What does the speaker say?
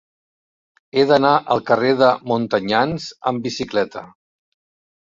He d'anar al carrer de Montanyans amb bicicleta.